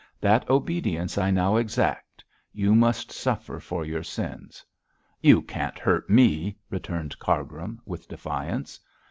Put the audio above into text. That obedience I now exact. You must suffer for your sins.' 'You can't hurt me,' returned Cargrim, with defiance.